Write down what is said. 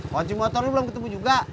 kunci motornya belum ketemu juga